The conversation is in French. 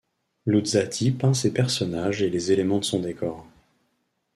Luzzati peint ses personnages et les éléments de son décor.